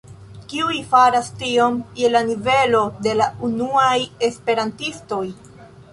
Kiuj faras tion je la nivelo de la unuaj esperantistoj?